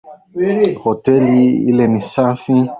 Hoteli ile ni safi.